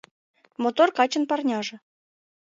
Мотор качын парняже